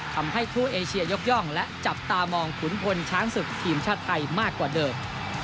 ทำให้คู่เอเชียยกย่องและจับตามองขุนพลช้างศึกทีมชาติไทยมากกว่าเดิม